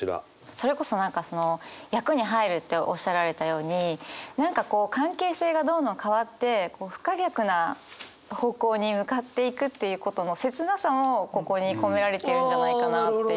それこそ何かその役に入るっておっしゃられたように何かこう関係性がどんどん変わって不可逆な方向に向かっていくということの切なさもここに込められているんじゃないかなっていう。